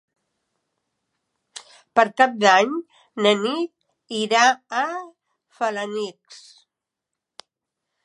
Per Cap d'Any na Nit irà a Felanitx.